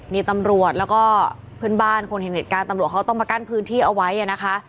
นี่ตำรวจแล้วก็เพื่อนบ้านคนเห็นเหตุการณ์ตำรวจเขาต้องมากั้นพื้นที่เอาไว้นะคะ